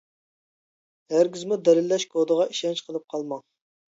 ھەرگىزمۇ دەلىللەش كودىغا ئىشەنچ قىلىپ قالماڭ.